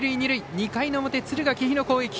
２回の表、敦賀気比の攻撃。